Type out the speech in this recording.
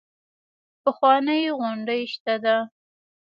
پخوانۍ غونډۍ شته ده.